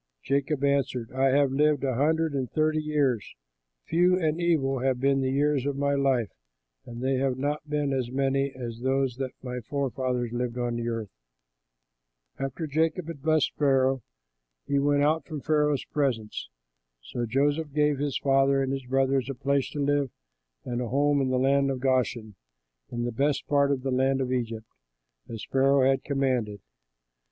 Jacob answered, "I have lived a hundred and thirty years; few and evil have been the years of my life, and they have not been as many as those that my forefathers lived on earth." After Jacob had blessed Pharaoh, he went out from Pharaoh's presence. So Joseph gave his father and his brothers a place to live in and a home in the land of Goshen, in the best part of the land of Egypt, as Pharaoh had commanded.